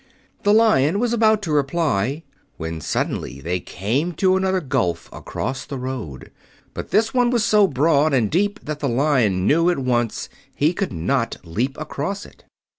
The Lion was about to reply when suddenly they came to another gulf across the road. But this one was so broad and deep that the Lion knew at once he could not leap across it.